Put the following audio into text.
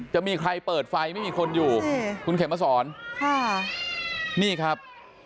จะมีใครเปิดไฟไม่มีคนอยู่คุณเข็มมาสอนค่ะนี่ครับ